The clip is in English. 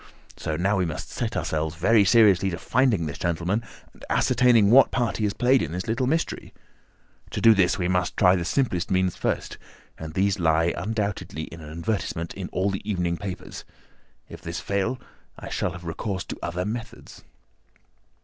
So now we must set ourselves very seriously to finding this gentleman and ascertaining what part he has played in this little mystery. To do this, we must try the simplest means first, and these lie undoubtedly in an advertisement in all the evening papers. If this fail, I shall have recourse to other methods."